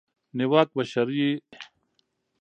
نیواک بشري کډوالۍ زیاتوي.